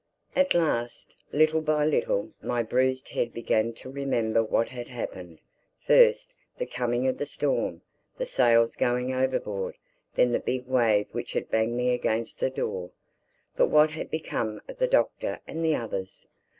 At last, little by little, my bruised head began to remember what had happened: first, the coming of the storm; the sails going overboard; then the big wave which had banged me against the door. But what had become of the Doctor and the others?